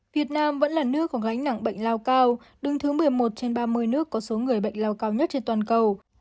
việt nam vẫn là nước có gánh nặng bệnh lao cao đứng thứ một mươi một trên ba mươi nước có số người bệnh lao cao nhất trên toàn cầu